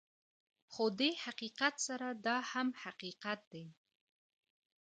خو دې حقیقت سره دا هم حقیقت دی